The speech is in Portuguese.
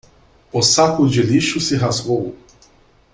O saco de lixo se rasgou